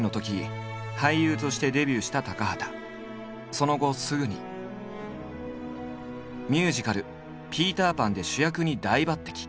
その後すぐにミュージカル「ピーター・パン」で主役に大抜てき。